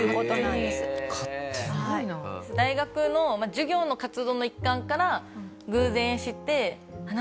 大学の授業の活動の一環から偶然知ってあっ